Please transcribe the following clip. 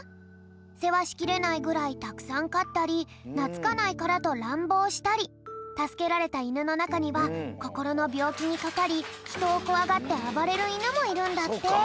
せわしきれないぐらいたくさんかったりなつかないからとらんぼうしたりたすけられたいぬのなかにはこころのびょうきにかかりひとをこわがってあばれるいぬもいるんだって。